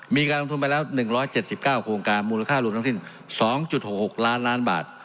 มีการลงทุนไปแล้ว๑๗๙โครงการมูลค่ารวมทั้งสิ้น๒๖๖ล้านล้านบาท